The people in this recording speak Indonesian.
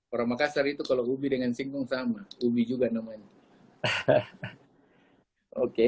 orang makassar itu kalau ubi dengan singkong sama ubi juga namanya